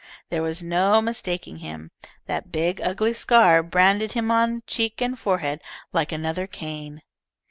There was no mistaking him. That big, ugly scar branded him on cheek and forehead like another Cain.